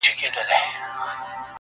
o ستوري ډېوه سي ،هوا خوره سي.